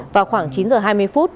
vào khoảng chín h hai mươi phút